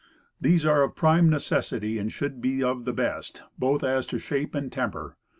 These are of prime necessity, and should be of the best, both as to shape and temper.